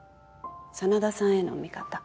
真田さんへの見方？